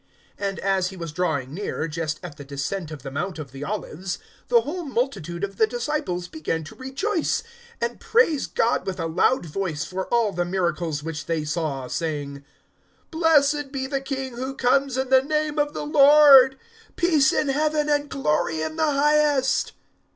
(37)And as he was drawing near, just at the descent of the mount of the Olives, the whole multitude of the disciples began to rejoice, and praise God with a loud voice for all the miracles which they saw; (38)saying: Blessed be the King who comes in the name of the Lord! Peace in heaven, and glory in the highest!